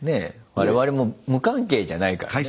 我々も無関係じゃないからね